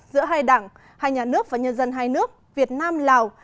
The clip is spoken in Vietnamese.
giữa hai đảng hai nhà nước và nhân dân hai nước việt nam lào